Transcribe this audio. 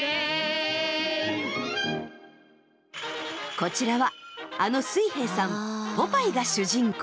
こちらはあの水兵さんポパイが主人公。